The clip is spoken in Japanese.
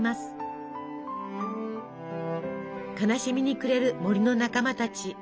悲しみに暮れる森の仲間たち。